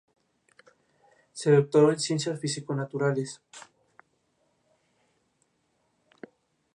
Se doctoró en Ciencias físico-naturales.